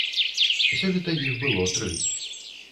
Сёлета іх было тры.